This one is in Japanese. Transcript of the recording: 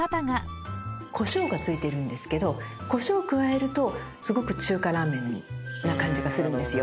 コショウが付いてるんですけどコショウ加えるとすごく中華ラーメンな感じがするんですよ。